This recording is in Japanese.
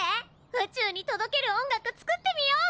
宇宙に届ける音楽作ってみよう！